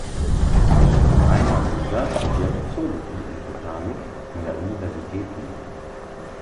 Reinhard Rieger studierte Zoologie und Botanik an der Universität Wien.